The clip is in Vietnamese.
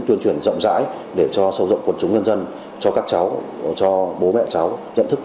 tuyên truyền rộng rãi để cho sâu rộng quần chúng nhân dân cho các cháu cho bố mẹ cháu nhận thức